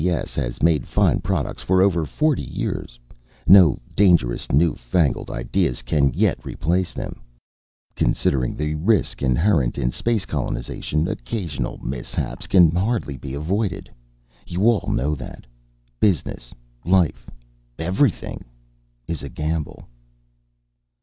S.C.S. has made fine products for over forty years. No dangerous, new fangled ideas can yet replace them. Considering the risk inherent in space colonization, occasional mishaps can hardly be avoided. You all know that. Business life everything is a gamble."